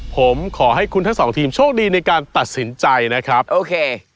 ผมขอให้คุณทั้งสองทีมโชคดีในการตัดสินใจนะครับโอเค